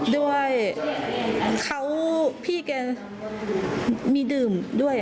ด้วยเขาพี่แกมีดื่มด้วย